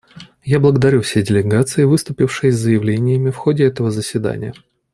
Я благодарю все делегации, выступившие с заявлениями в ходе этого заседания.